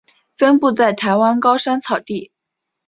分布在台湾高山草地。